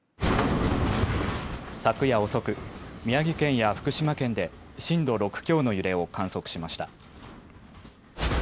昨夜遅く、宮城県や福島県で震度６強の揺れを観測しました。